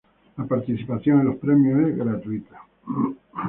La participación en los premios es gratuita.